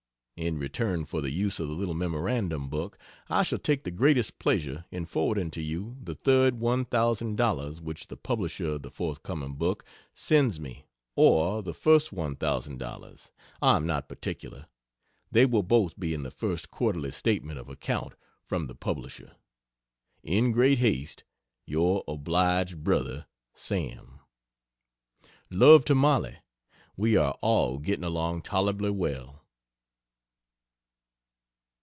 In return for the use of the little memorandum book I shall take the greatest pleasure in forwarding to you the third $1,000 which the publisher of the forthcoming work sends me or the first $1,000, I am not particular they will both be in the first quarterly statement of account from the publisher. In great haste, Yr Obliged Bro. SAM. Love to Mollie. We are all getting along tolerably well.